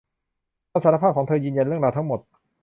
คำสารภาพของเธอยืนยันเรื่องราวทั้งหมด